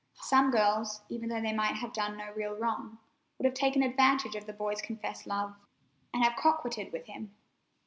Some girls, even though they might have done no real wrong, would have taken advantage of the boy's confessed love, and have coquetted with him.